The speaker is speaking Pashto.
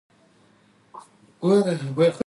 زده کوونکو ته د ټولګي اصول ور زده کول،